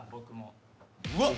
うわっ！